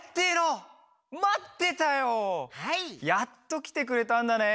やっときてくれたんだね。